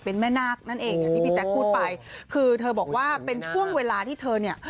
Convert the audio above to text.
เป็นแม่นาคนั่นเองอย่างที่พี่แจ๊คพูดไปคือเธอบอกว่าเป็นช่วงเวลาที่เธอเนี่ย